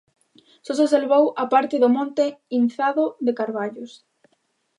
Só se salvou a parte do monte inzado de carballos.